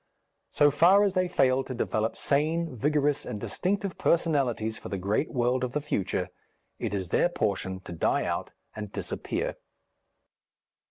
So far as they fail to develop sane, vigorous, and distinctive personalities for the great world of the future, it is their portion to die out and disappear.